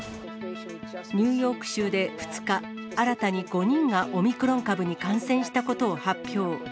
ニューヨーク州で２日、新たに５人がオミクロン株に感染したことを発表。